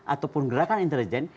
ataupun gerakan intelijen